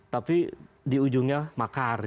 tapi di ujungnya makar